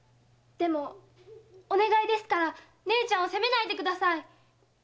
でもお願いですから姉ちゃんを責めないでください。